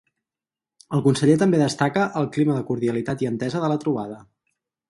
El conseller també destaca el clima de ‘cordialitat i entesa’ de la trobada.